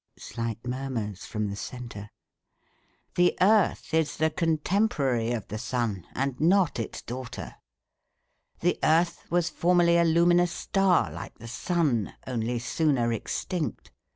(Slight murmurs from the centre.) The earth is the contemporary of the sun, and not its daughter; the earth was formerly a luminous star like the sun, only sooner extinct.